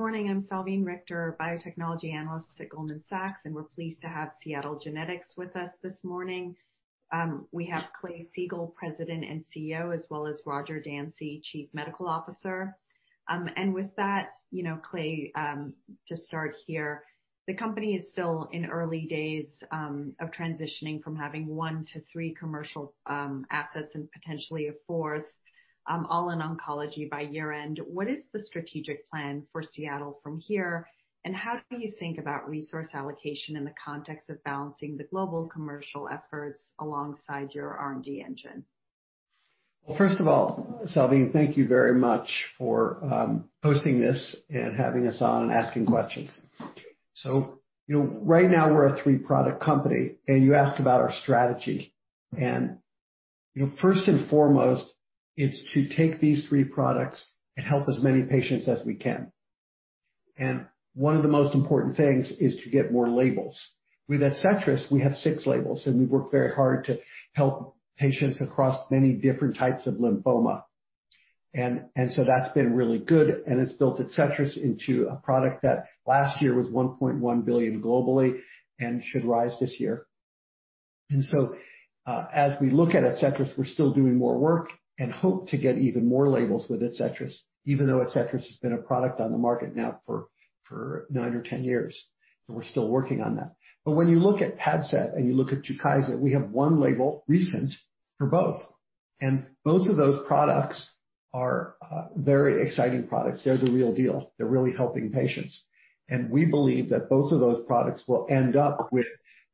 Morning. I'm Salveen Richter, Biotechnology Analyst at Goldman Sachs. We're pleased to have Seattle Genetics with us this morning. We have Clay Siegall, President and CEO, as well as Roger Dansey, Chief Medical Officer. With that, Clay, to start here, the company is still in early days of transitioning from having one to three commercial assets and potentially a fourth, all in oncology by year-end. What is the strategic plan for Seattle Genetics from here, and how do you think about resource allocation in the context of balancing the global commercial efforts alongside your R&D engine? First of all, Salveen, thank you very much for hosting this and having us on and asking questions. Right now we're a three-product company, and you asked about our strategy. First and foremost it's to take these three products and help as many patients as we can. One of the most important things is to get more labels. With ADCETRIS, we have six labels, and we work very hard to help patients across many different types of lymphoma. That's been really good, and it's built ADCETRIS into a product that last year was $1.1 billion globally and should rise this year. As we look at ADCETRIS, we're still doing more work and hope to get even more labels with ADCETRIS, even though ADCETRIS has been a product on the market now for nine or 10 years. We're still working on that. When you look at PADCEV and you look at TUKYSA, we have one label recent for both, and both of those products are very exciting products. They're the real deal. They're really helping patients. We believe that both of those products will end up with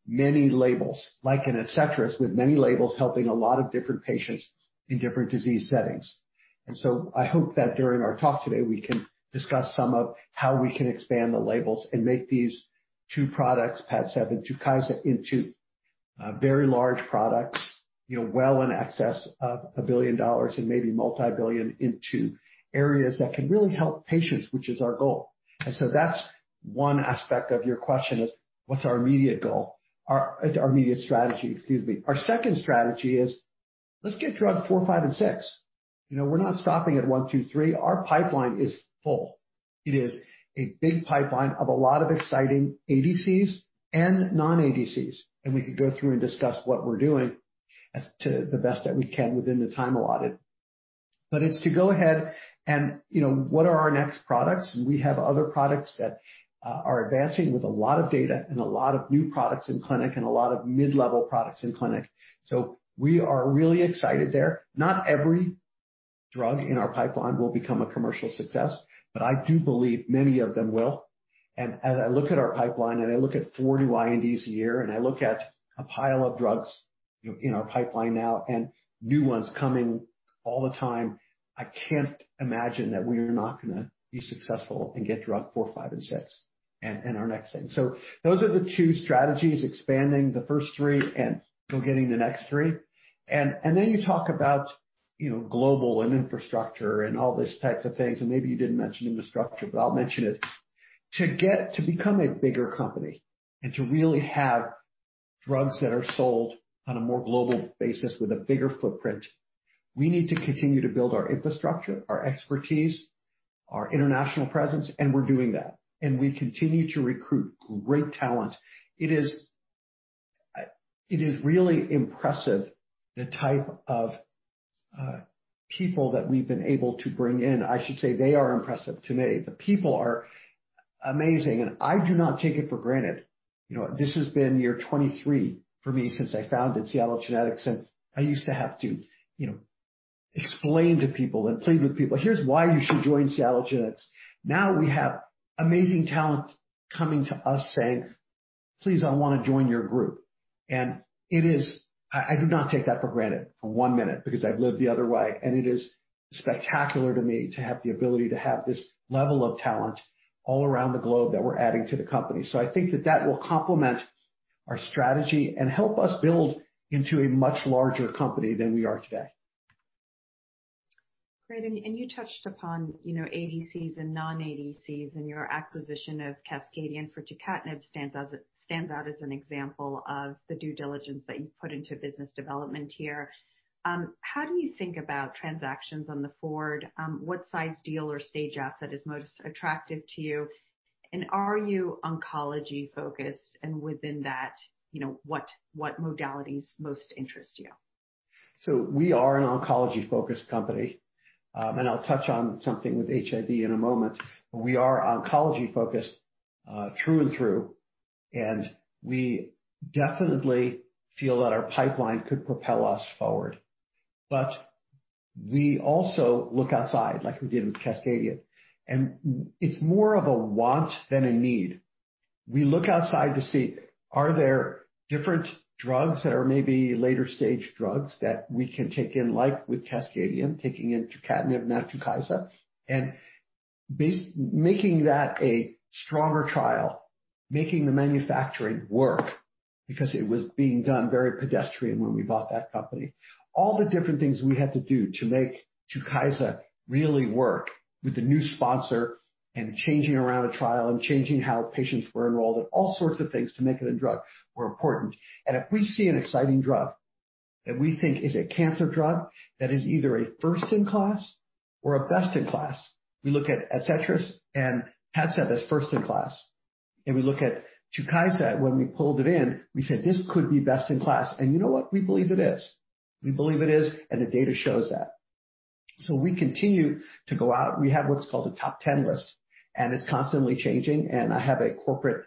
many labels, like in ADCETRIS, with many labels helping a lot of different patients in different disease settings. I hope that during our talk today, we can discuss some of how we can expand the labels and make these two products, PADCEV and TUKYSA, into very large products well in excess of $1 billion and maybe multi-billion into areas that can really help patients, which is our goal. That's one aspect of your question is, what's our immediate goal? Our immediate strategy, excuse me. Our second strategy is, let's get drug four, five, and six. We're not stopping at one, two, three. Our pipeline is full. It is a big pipeline of a lot of exciting ADCs and non-ADCs, and we can go through and discuss what we're doing as to the best that we can within the time allotted. It's to go ahead and what are our next products? We have other products that are advancing with a lot of data and a lot of new products in clinic and a lot of mid-level products in clinic. We are really excited there. Not every drug in our pipeline will become a commercial success, but I do believe many of them will. As I look at our pipeline and I look at 40 INDs a year, and I look at a pile of drugs in our pipeline now and new ones coming all the time, I can't imagine that we're not going to be successful and get drug four, five, and six and our next thing. Those are the two strategies, expanding the first three and getting the next three. Then you talk about global and infrastructure and all these types of things, and maybe you didn't mention infrastructure, but I'll mention it. To get to become a bigger company and to really have drugs that are sold on a more global basis with a bigger footprint, we need to continue to build our infrastructure, our expertise, our international presence, and we're doing that. We continue to recruit great talent. It is really impressive the type of people that we've been able to bring in. I should say they are impressive to me. The people are amazing, and I do not take it for granted. This has been year 23 for me since I founded Seattle Genetics, and I used to have to explain to people and plead with people, "Here's why you should join Seattle Genetics." Now we have amazing talent coming to us saying, "Please, I want to join your group." I do not take that for granted for one minute, because I've lived the other way. It is spectacular to me to have the ability to have this level of talent all around the globe that we're adding to the company. I think that that will complement our strategy and help us build into a much larger company than we are today. Great. You touched upon ADCs and non-ADCs and your acquisition of Cascadian for tucatinib stands out as an example of the due diligence that you put into business development here. How do you think about transactions on the forward? What size deal or stage asset is most attractive to you? Are you oncology-focused? Within that, what modalities most interest you? We are an oncology-focused company. I'll touch on something with HIV in a moment. We are oncology-focused through and through, and we definitely feel that our pipeline could propel us forward. We also look outside, like we did with Cascadian, and it's more of a want than a need. We look outside to see, are there different drugs that are maybe later-stage drugs that we can take in, like with Cascadian, taking in tucatinib, not TUKYSA, and making that a stronger trial, making the manufacturing work because it was being done very pedestrian when we bought that company. All the different things we had to do to make TUKYSA really work with the new sponsor and changing around a trial and changing how patients were enrolled and all sorts of things to make it a drug were important. If we see an exciting drug that we think is a cancer drug that is either a first-in-class or a best-in-class. We look at ADCETRIS and PADCEV as first-in-class. We look at TUKYSA, when we pulled it in, we said, "This could be best-in-class." You know what? We believe it is. We believe it is, and the data shows that. We continue to go out. We have what's called a top 10 list, and it's constantly changing, and I have a Corporate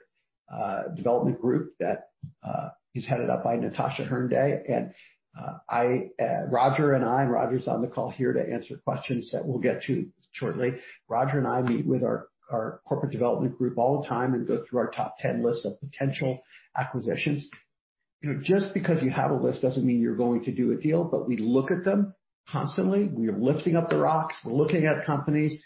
Development Group that is headed up by Natasha Hernday. Roger and I, Roger's on the call here to answer questions that we'll get to shortly. Roger and I meet with our Corporate Development Group all the time and go through our top 10 list of potential acquisitions. Just because you have a list doesn't mean you're going to do a deal, but we look at them constantly. We are lifting up the rocks. We are looking at companies.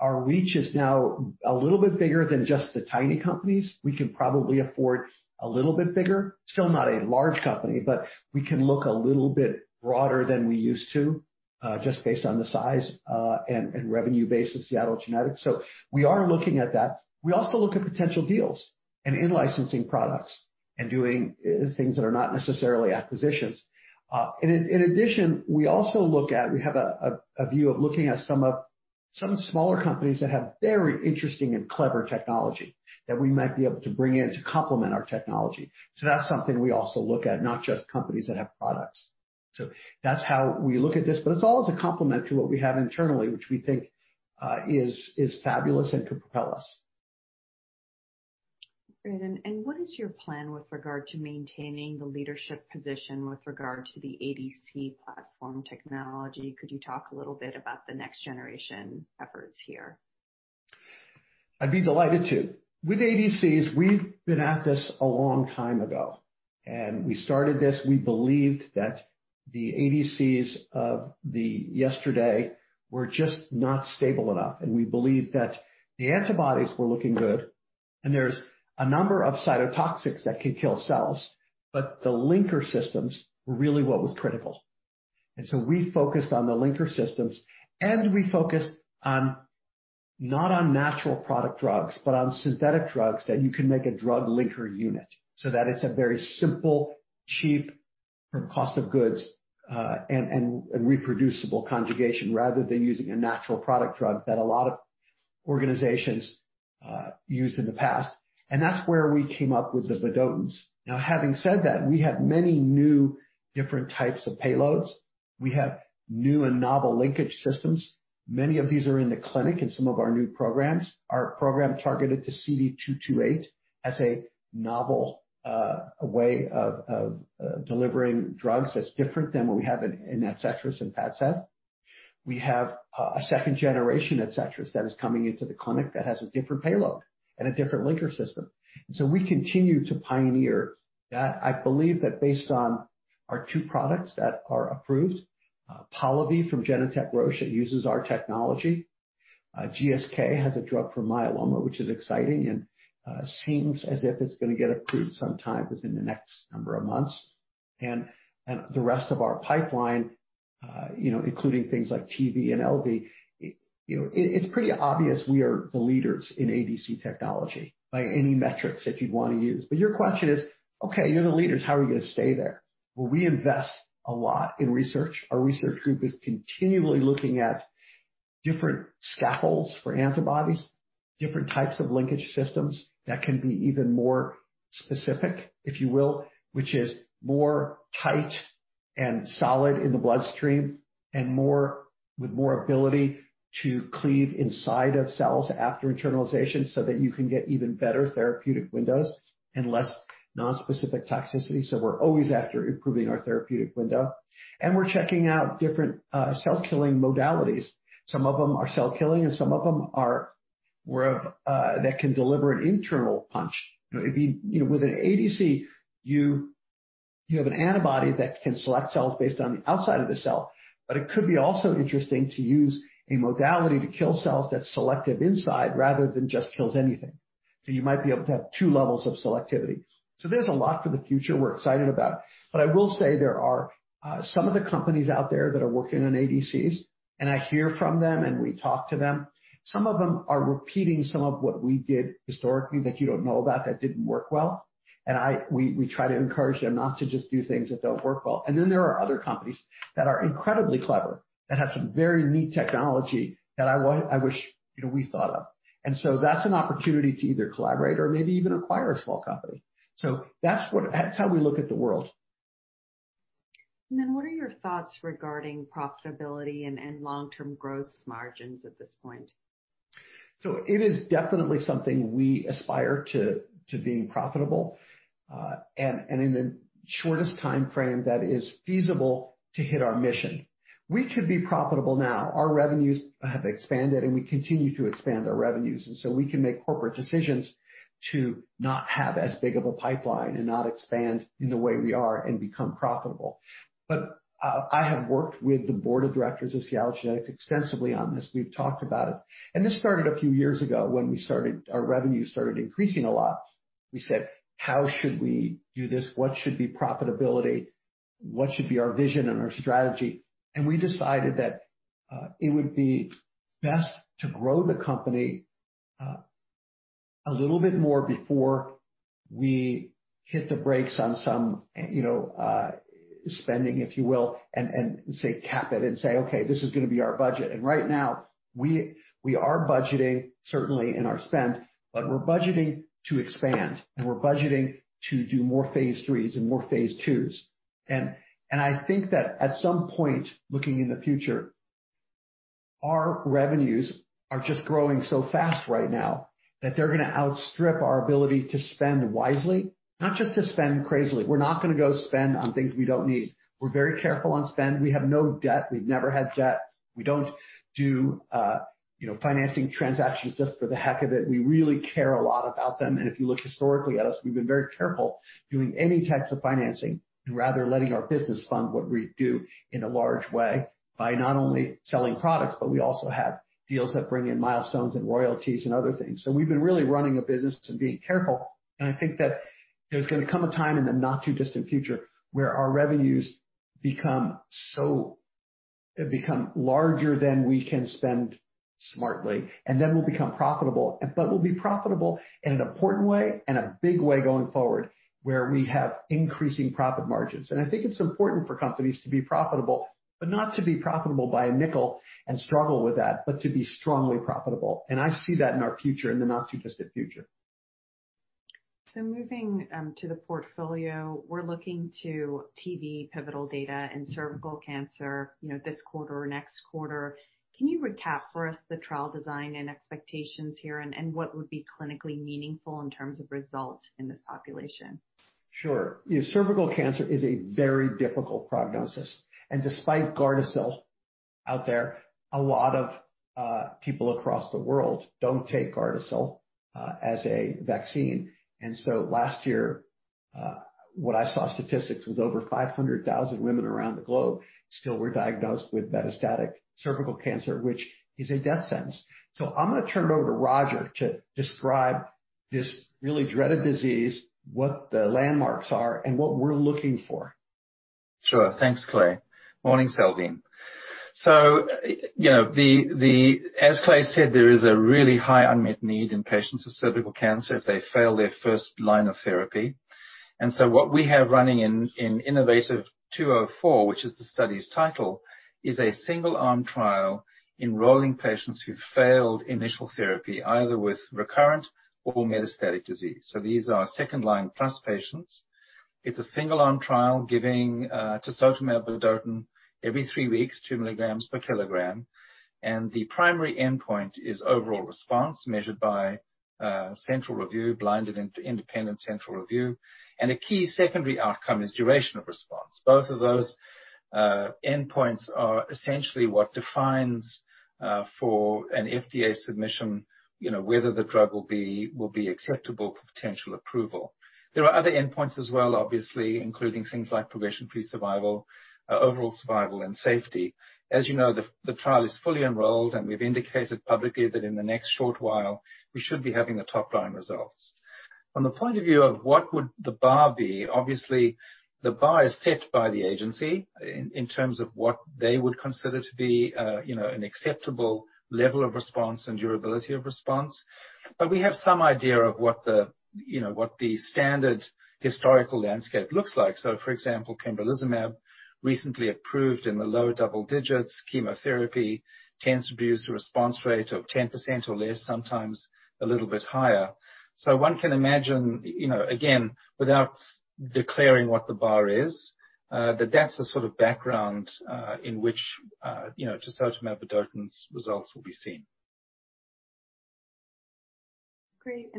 Our reach is now a little bit bigger than just the tiny companies. We can probably afford a little bit bigger, still not a large company, but we can look a little bit broader than we used to, just based on the size and revenue base of Seattle Genetics. We are looking at that. We also look at potential deals and in-licensing products and doing things that are not necessarily acquisitions. In addition, we also look at some smaller companies that have very interesting and clever technology that we might be able to bring in to complement our technology. That's something we also look at, not just companies that have products. That's how we look at this, but it's always a complement to what we have internally, which we think is fabulous and could propel us. Great. What is your plan with regard to maintaining the leadership position with regard to the ADC platform technology? Could you talk a little bit about the next generation efforts here? I'd be delighted to. With ADCs, we've been at this a long time ago. We started this, we believed that the ADCs of yesterday were just not stable enough. We believed that the antibodies were looking good. There's a number of cytotoxics that could kill cells. The linker systems were really what was critical. We focused on the linker systems. We focused not on natural product drugs, on synthetic drugs that you can make a drug linker unit so that it's a very simple, cheap cost of goods, reproducible conjugation, rather than using a natural product drug that a lot of organizations used in the past. That's where we came up with the vedotins. Now, having said that, we have many new different types of payloads. We have new and novel linkage systems. Many of these are in the clinic in some of our new programs. Our program targeted to CD228 as a novel way of delivering drugs that's different than what we have in ADCETRIS and PADCEV. We have a second-generation ADCETRIS that is coming into the clinic that has a different payload and a different linker system. We continue to pioneer that. I believe that based on our two products that are approved, POLIVY from Genentech Roche uses our technology. GSK has a drug for myeloma, which is exciting and seems as if it's going to get approved sometime within the next number of months. The rest of our pipeline, including things like TV and LV, it's pretty obvious we are the leaders in ADC technology by any metrics that you'd want to use. Your question is, "Okay, you're the leaders. How are you going to stay there?" Well, we invest a lot in research. Our research group is continually looking at different scaffolds for antibodies, different types of linkage systems that can be even more specific, if you will, which is more tight and solid in the bloodstream, and with more ability to cleave inside of cells after internalization so that you can get even better therapeutic windows and less nonspecific toxicity. We're always after improving our therapeutic window. We're checking out different cell-killing modalities. Some of them are cell-killing, and some of them that can deliver an internal punch. With an ADC, you have an antibody that can select cells based on the outside of the cell, but it could be also interesting to use a modality to kill cells that's selective inside rather than just kills anything. You might be able to have two levels of selectivity. There's a lot for the future we're excited about. I will say there are some of the companies out there that are working on ADCs, and I hear from them and we talk to them. Some of them are repeating some of what we did historically that you don't know about that didn't work well. We try to encourage them not to just do things that don't work well. Then there are other companies that are incredibly clever, that have some very neat technology that I wish we thought of. That's an opportunity to either collaborate or maybe even acquire a small company. That's how we look at the world. What are your thoughts regarding profitability and long-term gross margins at this point? It is definitely something we aspire to being profitable. In the shortest time frame that is feasible to hit our mission. We could be profitable now. Our revenues have expanded, and we continue to expand our revenues, we can make corporate decisions to not have as big of a pipeline and not expand in the way we are and become profitable. I have worked with the Board of Directors of Seattle Genetics extensively on this. We've talked about it, this started a few years ago when our revenue started increasing a lot. We said, "How should we do this? What should be profitability? What should be our vision and our strategy?" We decided that it would be best to grow the company a little bit more before we hit the brakes on some spending, if you will, and say cap it and say, "Okay, this is going to be our budget." Right now we are budgeting, certainly in our spend, but we're budgeting to expand, and we're budgeting to do more phase III and more phase II. I think that at some point looking in the future, our revenues are just growing so fast right now that they're going to outstrip our ability to spend wisely, not just to spend crazily. We're not going to go spend on things we don't need. We're very careful on spend. We have no debt. We've never had debt. We don't do financing transactions just for the heck of it. We really care a lot about them. If you look historically at us, we've been very careful doing any types of financing and rather letting our business fund what we do in a large way by not only selling products, but we also have deals that bring in milestones and royalties and other things. We've been really running a business and being careful, and I think that there's going to come a time in the not too distant future where our revenues become larger than we can spend smartly. We'll become profitable, but we'll be profitable in an important way and a big way going forward, where we have increasing profit margins. I think it's important for companies to be profitable, but not to be profitable by a nickel and struggle with that, but to be strongly profitable. I see that in our future, in the not too distant future. Moving to the portfolio, we're looking to TV pivotal data and cervical cancer, this quarter or next quarter. Can you recap for us the trial design and expectations here, and what would be clinically meaningful in terms of results in this population? Sure. Cervical cancer is a very difficult prognosis. Despite GARDASIL out there, a lot of people across the world don't take GARDASIL as a vaccine. Last year, what I saw statistics was over 500,000 women around the globe still were diagnosed with metastatic cervical cancer, which is a death sentence. I'm going to turn it over to Roger to describe this really dreaded disease, what the landmarks are, and what we're looking for. Sure. Thanks, Clay. Morning, Salveen. As Clay said, there is a really high unmet need in patients with cervical cancer if they fail their first line of therapy. What we have running in innovaTV 204, which is the study's title, is a single-arm trial enrolling patients who failed initial therapy, either with recurrent or metastatic disease. These are second-line plus patients. It's a single-arm trial giving tisotumab vedotin every three weeks, 2 mg per kg. The primary endpoint is overall response measured by central review, blinded independent central review, and a key secondary outcome is duration of response. Both of those endpoints are essentially what defines for an FDA submission, whether the drug will be acceptable for potential approval. There are other endpoints as well, obviously, including things like progression-free survival, overall survival, and safety. As you know, the trial is fully enrolled, and we've indicated publicly that in the next short while, we should be having the top-line results. From the point of view of what would the bar be, obviously, the bar is set by the agency in terms of what they would consider to be an acceptable level of response and durability of response. We have some idea of what the standard historical landscape looks like. For example, pembrolizumab, recently approved in the low-double-digits. Chemotherapy tends to be used a response rate of 10% or less, sometimes a little bit higher. One can imagine, again, without declaring what the bar is, that that's the sort of background in which tisotumab vedotin's results will be seen. Great.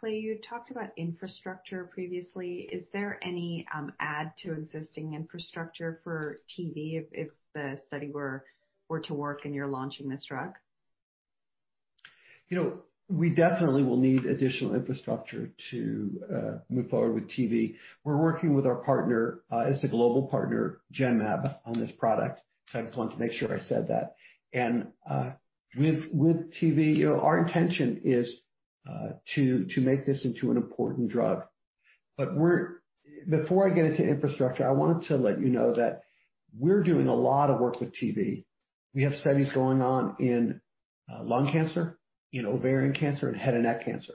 Clay, you talked about infrastructure previously. Is there any add to existing infrastructure for TV if the study were to work and you're launching this drug? We definitely will need additional infrastructure to move forward with TV. We're working with our partner as a global partner, Genmab, on this product. I just want to make sure I said that. With TV, our intention is to make this into an important drug. Before I get into infrastructure, I wanted to let you know that we're doing a lot of work with TV. We have studies going on in lung cancer, in ovarian cancer, and head and neck cancer.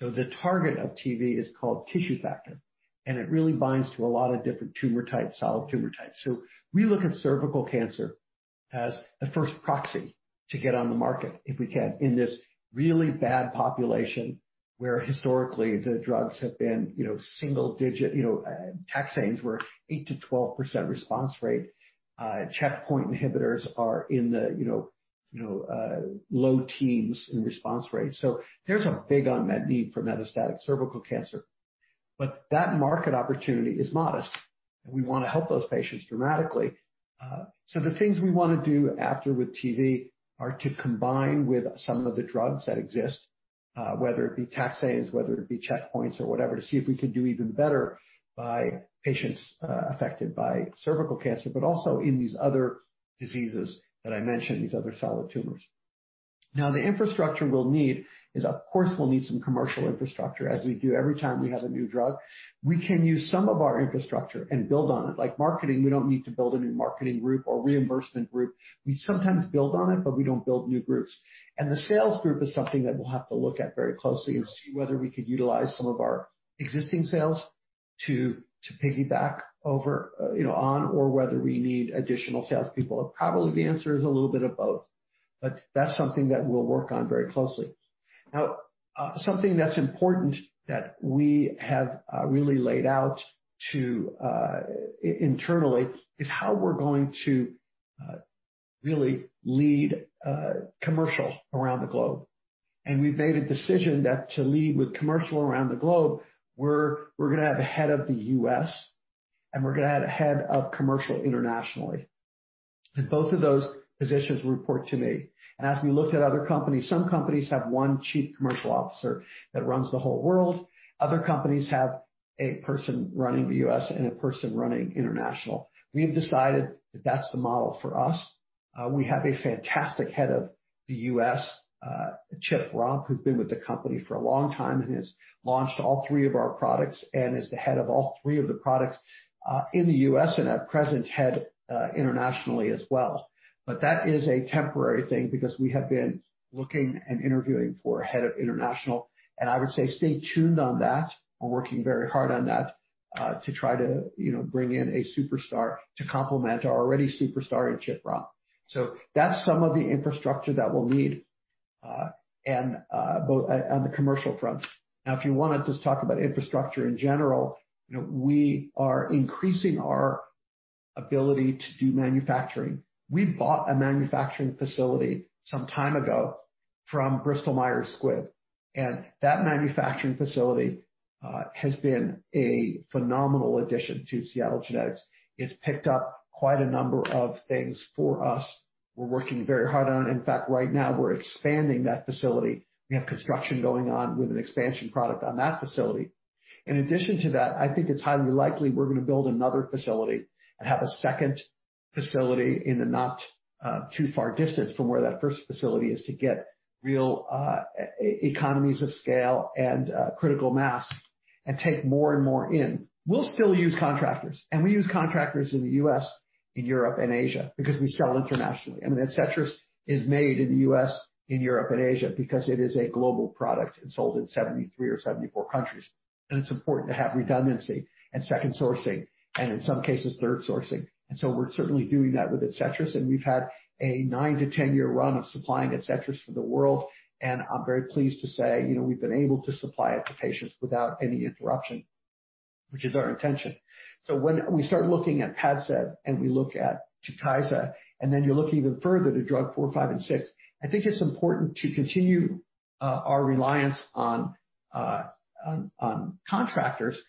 The target of TV is called tissue factor, and it really binds to a lot of different tumor types, solid tumor types. We look at cervical cancer as the first proxy to get on the market, if we can, in this really bad population where historically the drugs have been single-digit. taxanes were 8%-12% response rate. Checkpoint inhibitors are in the low teens in response rate. There's a big unmet need for metastatic cervical cancer. That market opportunity is modest, and we want to help those patients dramatically. The things we want to do after with TV are to combine with some of the drugs that exist, whether it be taxanes, whether it be checkpoints or whatever, to see if we could do even better by patients affected by cervical cancer, but also in these other diseases that I mentioned, these other solid tumors. The infrastructure we'll need is, of course, we'll need some commercial infrastructure as we do every time we have a new drug. We can use some of our infrastructure and build on it. Marketing, we don't need to build a new marketing group or reimbursement group. We sometimes build on it, but we don't build new groups. The sales group is something that we'll have to look at very closely and see whether we could utilize some of our existing sales to piggyback over on or whether we need additional salespeople. Probably the answer is a little bit of both. That's something that we'll work on very closely. Now, something that's important that we have really laid out internally is how we're going to really lead commercial around the globe. We've made a decision that to lead with commercial around the globe, we're going to have a Head of the U.S., and we're going to have a Head of Commercial internationally. Both of those positions report to me. As we looked at other companies, some companies have one Chief Commercial Officer that runs the whole world. Other companies have a person running the U.S. and a person running international. We have decided that that's the model for us. We have a fantastic Head of the U.S., Chip Romp, who's been with the company for a long time and has launched all three of our products and is the Head of all three of the products in the U.S. and our present Head internationally as well. That is a temporary thing because we have been looking and interviewing for a Head of international, and I would say stay tuned on that. We're working very hard on that to try to bring in a superstar to complement our already superstar in Chip Romp. That's some of the infrastructure that we'll need on the commercial front. Now, if you want to just talk about infrastructure in general, we are increasing our ability to do manufacturing. We bought a manufacturing facility some time ago from Bristol Myers Squibb. That manufacturing facility has been a phenomenal addition to Seattle Genetics. It's picked up quite a number of things for us. We're working very hard on it. In fact, right now we're expanding that facility. We have construction going on with an expansion product on that facility. In addition to that, I think it's highly likely we're going to build another facility and have a second facility in the not too far distance from where that first facility is to get real economies of scale and critical mass and take more and more in. We'll still use contractors, and we use contractors in the U.S., in Europe, and Asia because we sell internationally. I mean, ADCETRIS is made in the U.S., in Europe, and Asia because it is a global product and sold in 73 or 74 countries. It's important to have redundancy and second sourcing, and in some cases, third sourcing. We're certainly doing that with ADCETRIS, and we've had a 9-10-year run of supplying ADCETRIS for the world, and I'm very pleased to say, we've been able to supply it to patients without any interruption, which is our intention. When we start looking at PADCEV and we look at TUKYSA, you look even further to drug four, five, and six, I think it's important to continue our reliance on contractors, but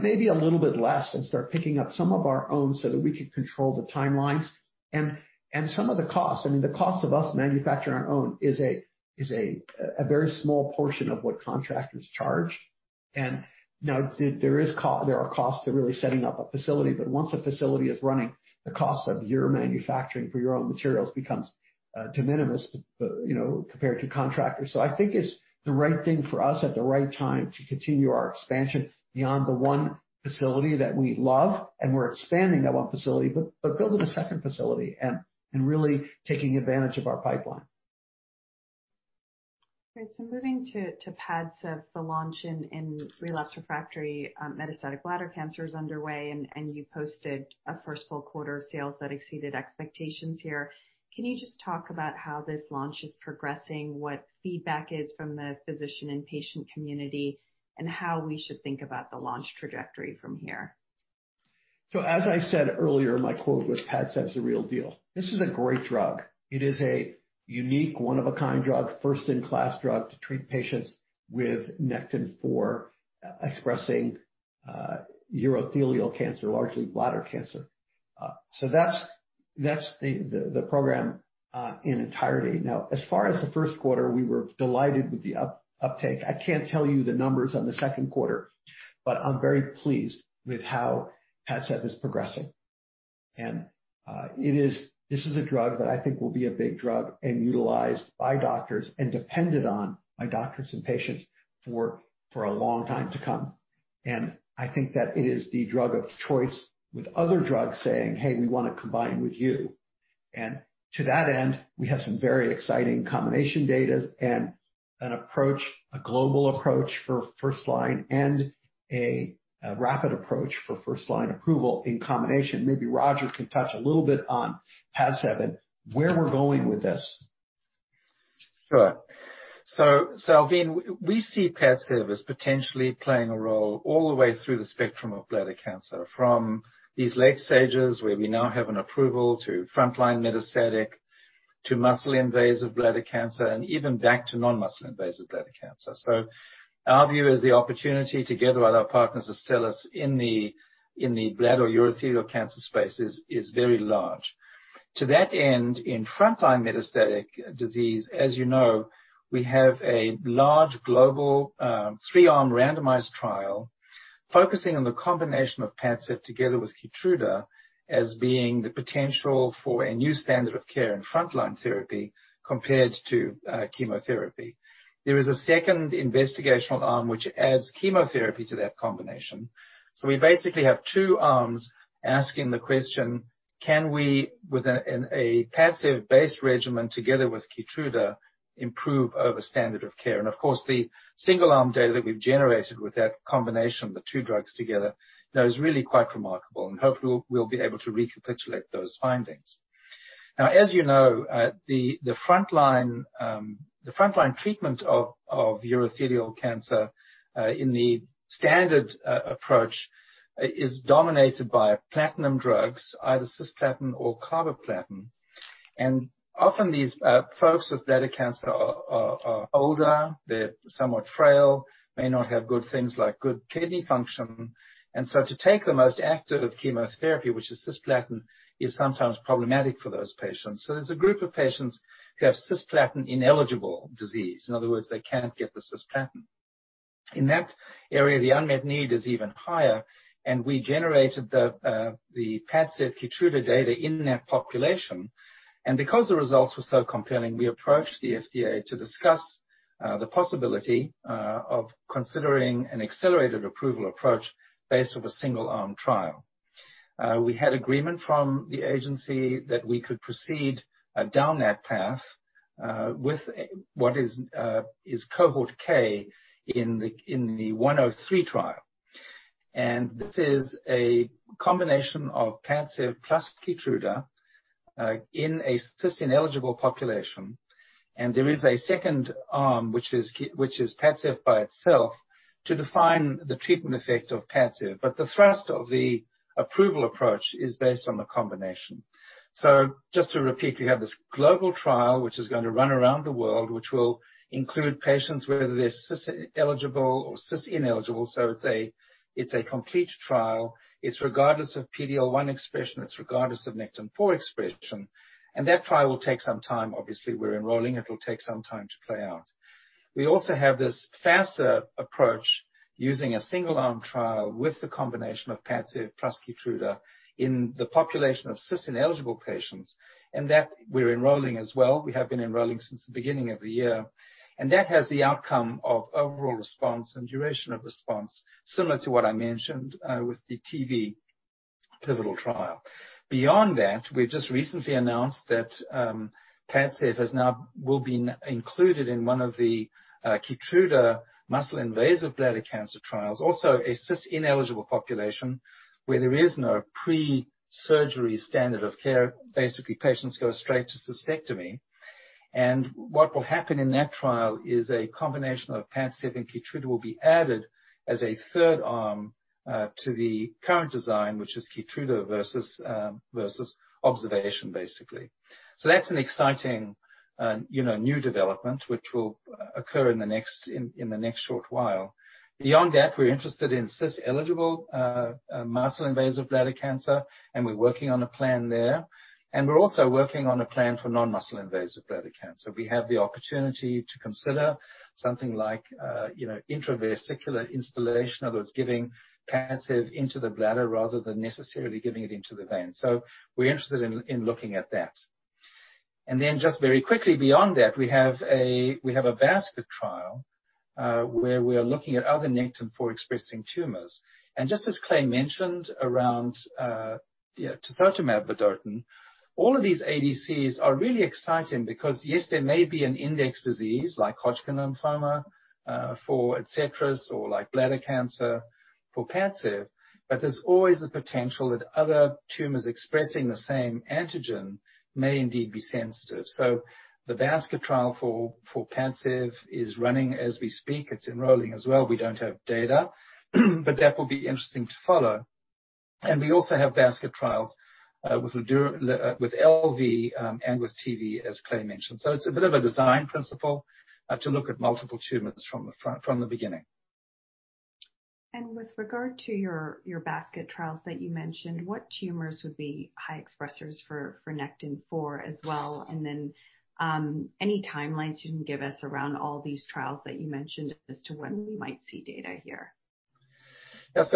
maybe a little bit less and start picking up some of our own so that we could control the timelines and some of the costs. I mean, the cost of us manufacturing our own is a very small portion of what contractors charge. Now there are costs to really setting up a facility. Once a facility is running, the cost of your manufacturing for your own materials becomes de minimis compared to contractors. I think it's the right thing for us at the right time to continue our expansion beyond the one facility that we love, and we're expanding that one facility, building a second facility and really taking advantage of our pipeline. Great. Moving to PADCEV, the launch in relapsed refractory metastatic bladder cancer is underway, and you posted a first full quarter of sales that exceeded expectations here. Can you just talk about how this launch is progressing, what feedback is from the physician and patient community, and how we should think about the launch trajectory from here? As I said earlier, my quote was, "PADCEV is the real deal." This is a great drug. It is a unique, one-of-a-kind drug, first-in-class drug to treat patients with nectin-4 expressing urothelial cancer, largely bladder cancer. That's the program in entirety. As far as the first quarter, we were delighted with the uptake. I can't tell you the numbers on the second quarter, but I'm very pleased with how PADCEV is progressing. This is a drug that I think will be a big drug and utilized by doctors and depended on by doctors and patients for a long time to come. I think that it is the drug of choice with other drugs saying, "Hey, we want to combine with you." To that end, we have some very exciting combination data and an approach, a global approach for first line and a rapid approach for first-line approval in combination. Maybe Roger can touch a little bit on PADCEV and where we're going with this. Sure. Salveen, we see PADCEV as potentially playing a role all the way through the spectrum of bladder cancer, from these late stages where we now have an approval to frontline metastatic, to muscle-invasive bladder cancer, and even back to non-muscle invasive bladder cancer. Our view is the opportunity together with our partners, Astellas, in the bladder urothelial cancer space is very large. To that end, in frontline metastatic disease, as you know, we have a large global three-arm randomized trial focusing on the combination of PADCEV together with KEYTRUDA as being the potential for a new standard of care in frontline therapy compared to chemotherapy. There is a second investigational arm which adds chemotherapy to that combination. We basically have two arms asking the question, can we, with a PADCEV-based regimen together with KEYTRUDA, improve over standard of care? Of course, the single-arm data that we've generated with that combination of the two drugs together now is really quite remarkable, and hopefully, we'll be able to recapitulate those findings. As you know, the frontline treatment of urothelial cancer, in the standard approach, is dominated by platinum drugs, either cisplatin or carboplatin. Often these folks with bladder cancer are older, they're somewhat frail, may not have good things like good kidney function. To take the most active chemotherapy, which is cisplatin, is sometimes problematic for those patients. There's a group of patients who have cisplatin-ineligible disease. In other words, they can't get the cisplatin. In that area, the unmet need is even higher. We generated the PADCEV KEYTRUDA data in that population. Because the results were so compelling, we approached the FDA to discuss the possibility of considering an accelerated approval approach based off a single-arm trial. We had agreement from the agency that we could proceed down that path, with what is cohort K in the EV-103 trial. This is a combination of PADCEV plus KEYTRUDA, in a cis-ineligible population. There is a second arm, which is PADCEV by itself, to define the treatment effect of PADCEV. The thrust of the approval approach is based on the combination. Just to repeat, we have this global trial, which is going to run around the world, which will include patients, whether they're cis-eligible or cis-ineligible. It's a complete trial. It's regardless of PD-L1 expression, it's regardless of nectin-4 expression, and that trial will take some time. Obviously, we're enrolling. It'll take some time to play out. We also have this faster approach using a single-arm trial with the combination of PADCEV plus KEYTRUDA in the population of cis-ineligible patients. That we're enrolling as well. We have been enrolling since the beginning of the year. That has the outcome of overall response and duration of response, similar to what I mentioned with the TV pivotal trial. Beyond that, we've just recently announced that PADCEV will be included in one of the KEYTRUDA muscle-invasive bladder cancer trials, also a cis-ineligible population, where there is no pre-surgery standard of care. Basically, patients go straight to cystectomy. What will happen in that trial is a combination of PADCEV and KEYTRUDA will be added as a third-arm to the current design, which is KEYTRUDA versus observation, basically. That's an exciting new development which will occur in the next short while. We're interested in cis-eligible muscle-invasive bladder cancer, and we're working on a plan there. We're also working on a plan for non-muscle invasive bladder cancer. We have the opportunity to consider something like intravesical instillation. In other words, giving PADCEV into the bladder rather than necessarily giving it into the vein. We're interested in looking at that. Just very quickly beyond that, we have a basket trial, where we are looking at other nectin-4 expressing tumors. Just as Clay mentioned around the sacituzumab govitecan, all of these ADCs are really exciting because, yes, there may be an index disease like Hodgkin lymphoma for ADCETRIS or like bladder cancer for PADCEV, but there's always the potential that other tumors expressing the same antigen may indeed be sensitive. The basket trial for PADCEV is running as we speak. It's enrolling as well. We don't have data, but that will be interesting to follow. We also have basket trials with LV and with TV, as Clay mentioned. It's a bit of a design principle to look at multiple tumors from the beginning. With regard to your basket trials that you mentioned, what tumors would be high expressers for nectin-4 as well? Any timelines you can give us around all these trials that you mentioned as to when we might see data here? Yes.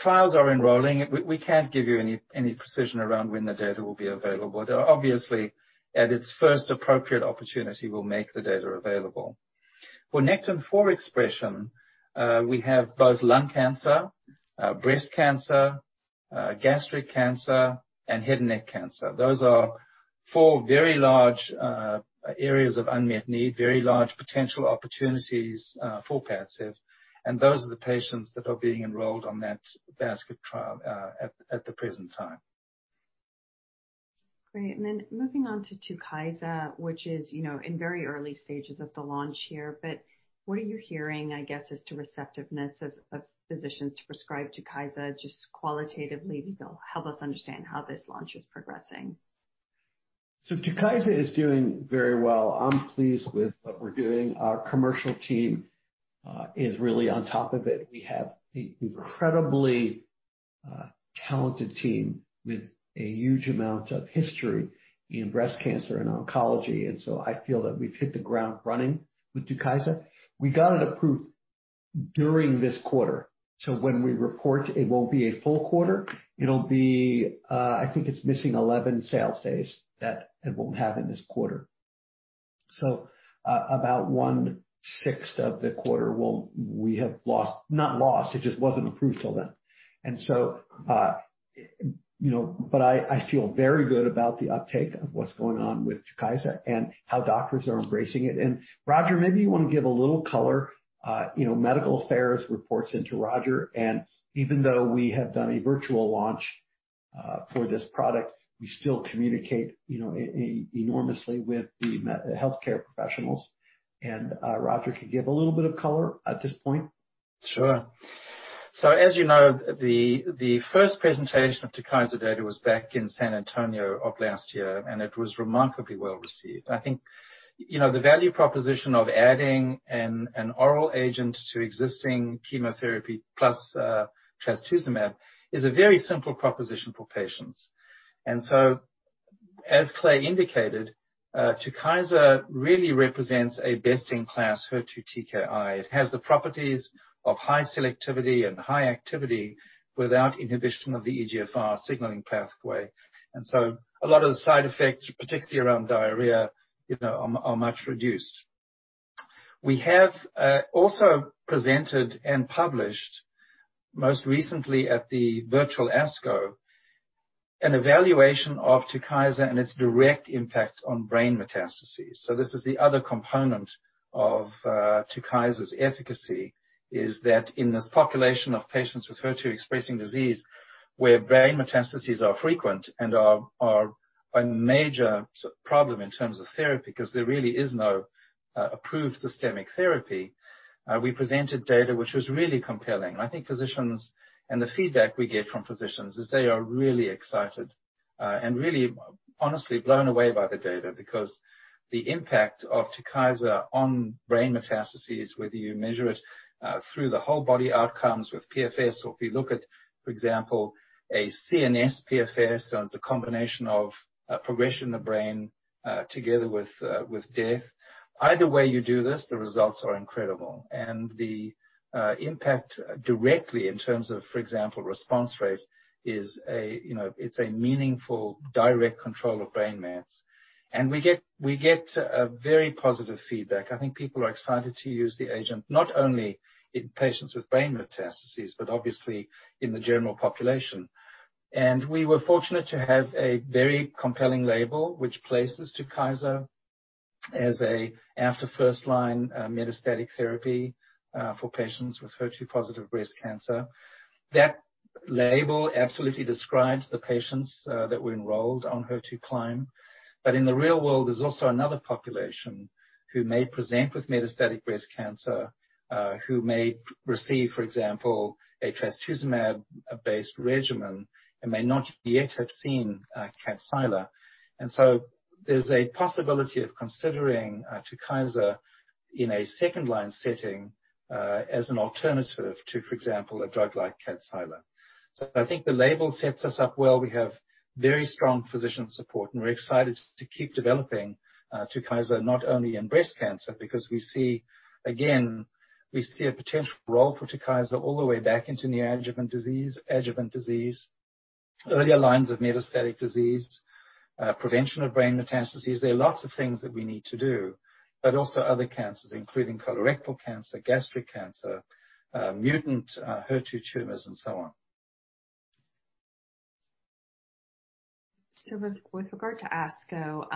Trials are enrolling. We can't give you any precision around when the data will be available. Obviously, at its first appropriate opportunity, we'll make the data available. For nectin-4 expression, we have both lung cancer, breast cancer, gastric cancer, and head and neck cancer. Those are four very large areas of unmet need, very large potential opportunities for PADCEV, and those are the patients that are being enrolled on that basket trial at the present time. Great. Moving on to TUKYSA, which is in very early stages of the launch here. What are you hearing, I guess, as to receptiveness of physicians to prescribe TUKYSA, just qualitatively, to help us understand how this launch is progressing? TUKYSA is doing very well. I'm pleased with what we're doing. Our commercial team is really on top of it. We have a incredibly talented team with a huge amount of history in breast cancer and oncology. I feel that we've hit the ground running with TUKYSA. We got it approved during this quarter. When we report, it won't be a full quarter. I think it's missing 11 sales days that it won't have in this quarter. About 1/6 of the quarter we have lost. Not lost, it just wasn't approved till then. I feel very good about the uptake of what's going on with TUKYSA and how doctors are embracing it. Roger, maybe you want to give a little color. Medical affairs reports into Roger, and even though we have done a virtual launch for this product, we still communicate enormously with the healthcare professionals. Roger can give a little bit of color at this point. Sure. As you know, the first presentation of TUKYSA data was back in San Antonio of last year, and it was remarkably well-received. I think the value proposition of adding an oral agent to existing chemotherapy plus trastuzumab is a very simple proposition for patients. As Clay indicated, TUKYSA really represents a best-in-class HER2 TKI. It has the properties of high selectivity and high activity without inhibition of the EGFR signaling pathway. A lot of the side effects, particularly around diarrhea, are much reduced. We have also presented and published, most recently at the virtual ASCO, an evaluation of TUKYSA and its direct impact on brain metastases. This is the other component of TUKYSA's efficacy is that in this population of patients with HER2-expressing disease, where brain metastases are frequent and are a major problem in terms of therapy, because there really is no approved systemic therapy. We presented data which was really compelling. I think physicians, and the feedback we get from physicians, is they are really excited and really honestly blown away by the data because the impact of TUKYSA on brain metastases, whether you measure it through the whole body outcomes with PFS, or if you look at, for example, a CNS PFS, so it's a combination of progression in the brain, together with death. Either way you do this, the results are incredible, and the impact directly in terms of, for example, response rate, it's a meaningful direct control of brain mets. We get a very positive feedback. I think people are excited to use the agent, not only in patients with brain metastases, but obviously in the general population. We were fortunate to have a very compelling label, which places TUKYSA as a after first-line metastatic therapy for patients with HER2-positive breast cancer. That label absolutely describes the patients that were enrolled on HER2CLIMB. In the real world, there's also another population who may present with metastatic breast cancer, who may receive, for example, a trastuzumab-based regimen and may not yet have seen KADCYLA. There's a possibility of considering TUKYSA in a second-line setting as an alternative to, for example, a drug like KADCYLA. I think the label sets us up well. We have very strong physician support, and we're excited to keep developing TUKYSA, not only in breast cancer, because we see, again, we see a potential role for TUKYSA all the way back into neoadjuvant disease, adjuvant disease, earlier lines of metastatic disease, prevention of brain metastases. There are lots of things that we need to do. Also other cancers, including colorectal cancer, gastric cancer, mutant HER2 tumors, and so on. With regard to ASCO,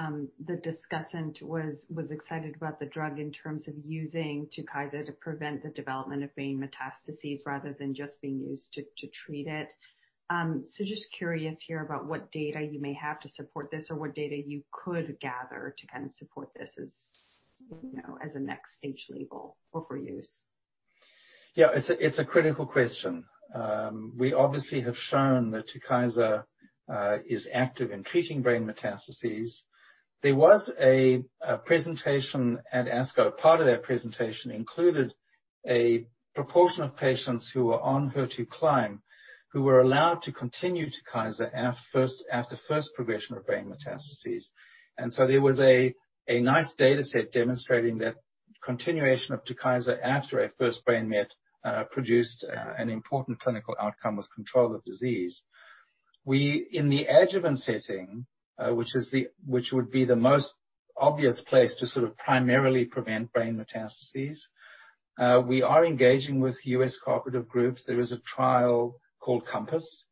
the discussant was excited about the drug in terms of using TUKYSA to prevent the development of brain metastases rather than just being used to treat it. Just curious here about what data you may have to support this or what data you could gather to kind of support this as a next stage label or for use? Yeah, it's a critical question. We obviously have shown that TUKYSA is active in treating brain metastases. There was a presentation at ASCO. Part of their presentation included a proportion of patients who were on HER2CLIMB who were allowed to continue TUKYSA after first progression of brain metastases. There was a nice dataset demonstrating that continuation of TUKYSA after a first brain met produced an important clinical outcome with control of disease. In the adjuvant setting, which would be the most obvious place to sort of primarily prevent brain metastases, we are engaging with U.S. cooperative groups. There is a trial called COMPASS,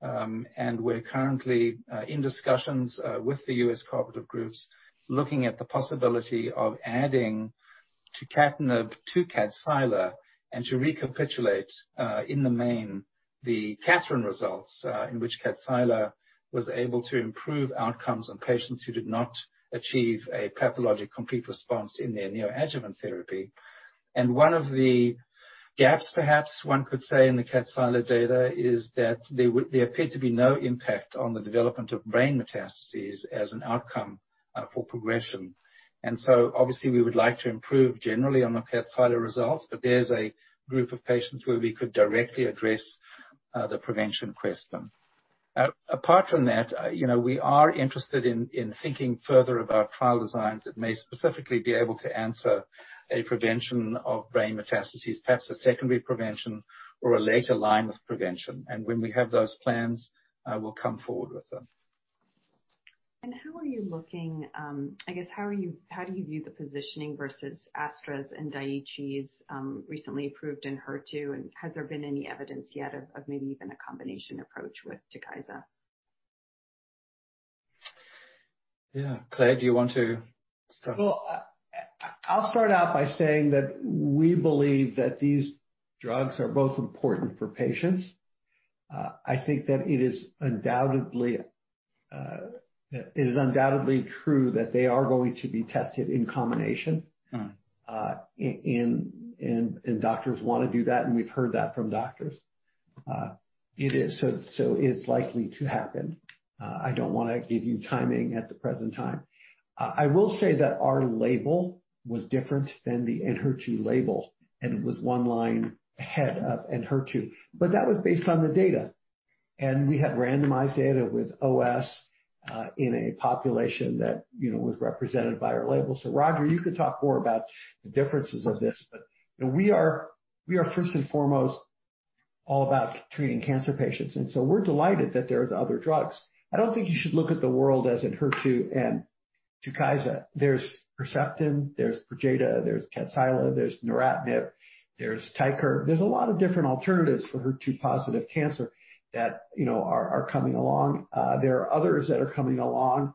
and we're currently in discussions with the U.S. cooperative groups, looking at the possibility of adding tucatinib to KADCYLA, and to recapitulate, in the main, the KATHERINE results, in which KADCYLA was able to improve outcomes on patients who did not achieve a pathologic complete response in their neoadjuvant therapy. One of the gaps, perhaps one could say, in the KADCYLA data is that there appeared to be no impact on the development of brain metastases as an outcome for progression. Obviously we would like to improve generally on the KADCYLA results, but there's a group of patients where we could directly address the prevention question. Apart from that, we are interested in thinking further about trial designs that may specifically be able to answer a prevention of brain metastases, perhaps a secondary prevention or a later line of prevention. When we have those plans, we'll come forward with them. How are you looking, how do you view the positioning versus AstraZeneca's and Daiichi's recently approved ENHERTU, and has there been any evidence yet of maybe even a combination approach with TUKYSA? Yeah. Clay, do you want to start? I'll start out by saying that we believe that these drugs are both important for patients. I think that it is undoubtedly true that they are going to be tested in combination. Doctors want to do that, we've heard that from doctors. It's likely to happen. I don't want to give you timing at the present time. I will say that our label was different than the ENHERTU label, it was one line ahead of ENHERTU. That was based on the data, we had randomized data with OS, in a population that was represented by our label. Roger, you could talk more about the differences of this, we are first and foremost all about treating cancer patients, we're delighted that there are other drugs. I don't think you should look at the world as ENHERTU and TUKYSA. There's Herceptin, there's PERJETA, there's KADCYLA, there's neratinib, there's TYKERB. There's a lot of different alternatives for HER2-positive cancer that are coming along. There are others that are coming along,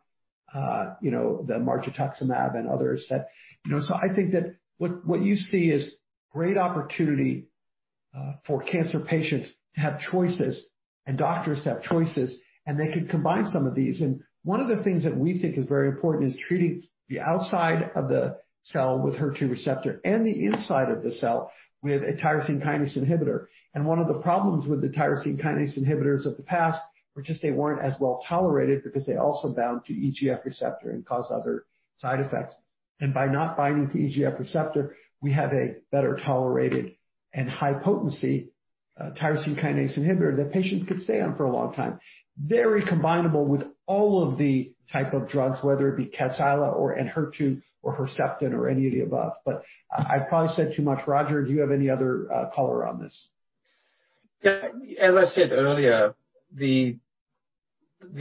the margetuximab and others. I think that what you see is great opportunity for cancer patients to have choices and doctors to have choices, and they could combine some of these. One of the things that we think is very important is treating the outside of the cell with HER2 receptor and the inside of the cell with a tyrosine kinase inhibitor. One of the problems with the tyrosine kinase inhibitors of the past was just they weren't as well tolerated because they also bound to EGF receptor and caused other side effects. By not binding to EGF receptor, we have a better tolerated and high potency tyrosine kinase inhibitor that patients could stay on for a long time. Very combinable with all of the type of drugs, whether it be KADCYLA or ENHERTU or Herceptin or any of the above. I've probably said too much. Roger, do you have any other color on this? As I said earlier, the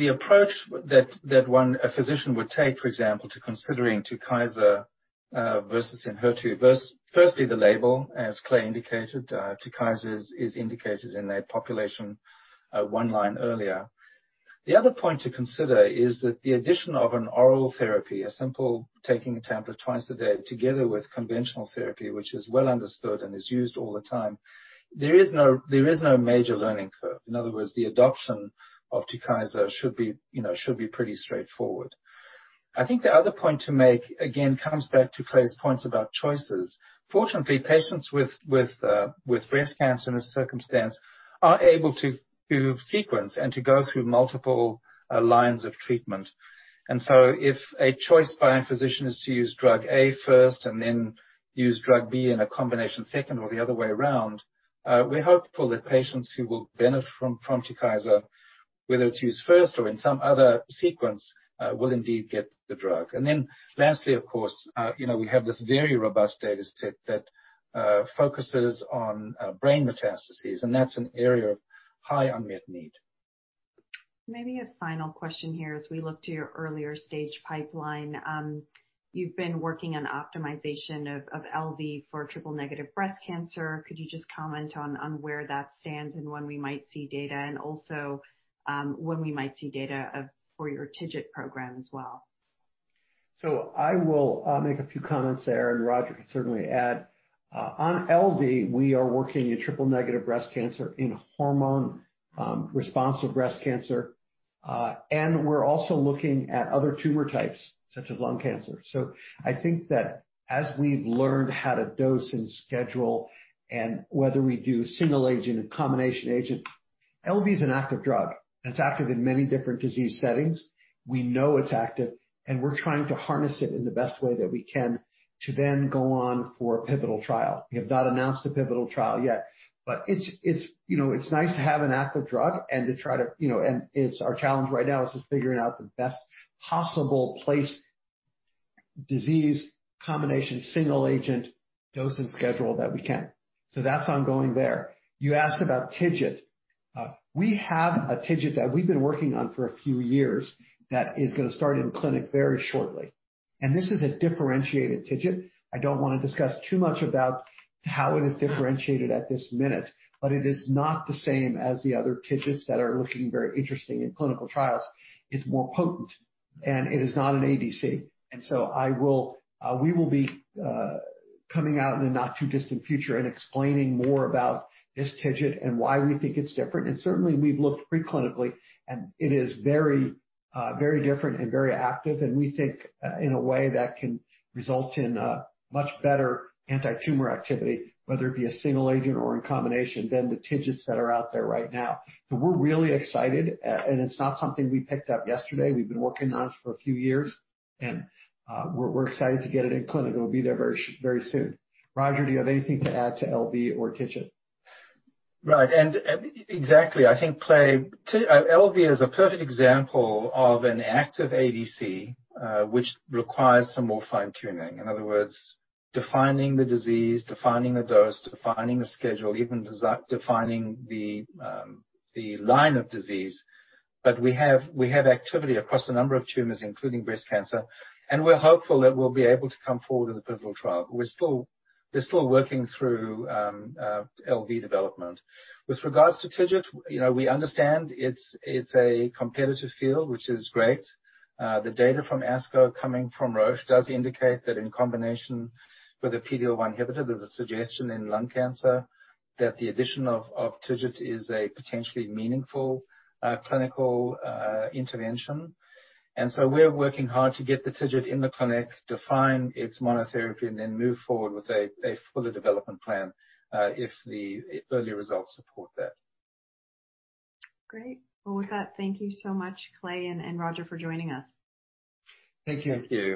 approach that a physician would take, for example, to considering TUKYSA versus ENHERTU, firstly, the label, as Clay indicated, TUKYSA is indicated in that population one line earlier. The other point to consider is that the addition of an oral therapy, a simple taking a tablet twice a day together with conventional therapy, which is well understood and is used all the time. There is no major learning curve. In other words, the adoption of TUKYSA should be pretty straightforward. I think the other point to make, again, comes back to Clay's points about choices. Fortunately, patients with breast cancer in this circumstance are able to sequence and to go through multiple lines of treatment. If a choice by a physician is to use drug A first and then use drug B in a combination second or the other way around, we're hopeful that patients who will benefit from TUKYSA, whether it's used first or in some other sequence, will indeed get the drug. Lastly, of course, we have this very robust data set that focuses on brain metastases, and that's an area of high unmet need. Maybe a final question here as we look to your earlier stage pipeline. You've been working on optimization of LV for triple-negative breast cancer. Could you just comment on where that stands and when we might see data, and also when we might see data for your TIGIT program as well? I will make a few comments there, and Roger can certainly add. On LV, we are working in triple-negative breast cancer in hormone responsive breast cancer. We're also looking at other tumor types such as lung cancer. I think that as we've learned how to dose and schedule and whether we do single agent and combination agent, LV is an active drug, and it's active in many different disease settings. We know it's active, and we're trying to harness it in the best way that we can to then go on for a pivotal trial. We have not announced a pivotal trial yet, but it's nice to have an active drug. Our challenge right now is just figuring out the best possible place, disease, combination, single agent, dosing schedule that we can. That's ongoing there. You asked about TIGIT. We have a TIGIT that we've been working on for a few years that is going to start in clinic very shortly, and this is a differentiated TIGIT. I don't want to discuss too much about how it is differentiated at this minute, but it is not the same as the other TIGITs that are looking very interesting in clinical trials. It's more potent, and it is not an ADC. We will be coming out in the not-too-distant future and explaining more about this TIGIT and why we think it's different. Certainly, we've looked pre-clinically, and it is very different and very active, and we think in a way that can result in a much better anti-tumor activity, whether it be a single agent or in combination, than the TIGITs that are out there right now. We're really excited, and it's not something we picked up yesterday. We've been working on it for a few years, and we're excited to get it in clinic. It'll be there very soon. Roger, do you have anything to add to LV or TIGIT? Right. Exactly, I think Clay, LV is a perfect example of an active ADC, which requires some more fine-tuning. In other words, defining the disease, defining the dose, defining the schedule, even defining the line of disease. We have activity across a number of tumors, including breast cancer, and we're hopeful that we'll be able to come forward with a pivotal trial. We're still working through LV development. With regards to TIGIT, we understand it's a competitive field, which is great. The data from ASCO coming from Roche does indicate that in combination with a PD-L1 inhibitor, there's a suggestion in lung cancer that the addition of TIGIT is a potentially meaningful clinical intervention. We're working hard to get the TIGIT in the clinic, define its monotherapy, and then move forward with a fuller development plan, if the early results support that. Great. Well, with that, thank you so much, Clay and Roger, for joining us. Thank you. Thank you.